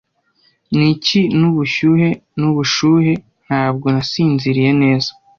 Niki nubushyuhe nubushuhe, ntabwo nasinziriye neza.